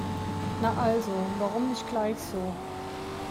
Na also, warum nicht gleich so?